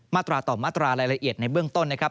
ตราต่อมาตรารายละเอียดในเบื้องต้นนะครับ